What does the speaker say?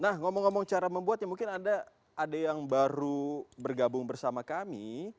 nah ngomong ngomong cara membuatnya mungkin ada yang baru bergabung bersama kami